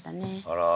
あら！